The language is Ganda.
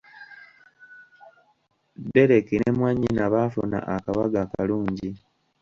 Dereki ne mwannyina baafuna akabaga akalungi!